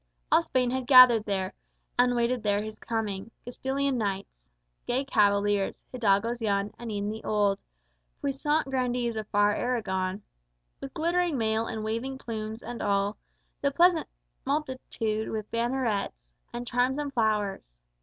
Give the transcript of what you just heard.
All Spain had gathered there, And waited there his coming; Castilian knights, Gay cavaliers, hidalgos young, and e'en the old Puissant grandees of far Aragon, With glittering mail, and waving plumes, and all The peasant multitude with bannerets And charms and flowers.